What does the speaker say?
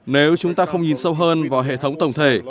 nếu chúng ta không nhìn sâu hơn vào hệ thống tổng thể